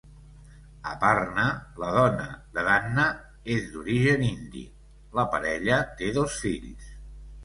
Aparna, la dona de Danna, és d'origen indi; la parella té dos fills.